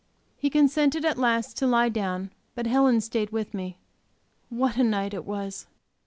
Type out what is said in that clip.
He consented at last to lie down, but Helen stayed with me. What a night it was!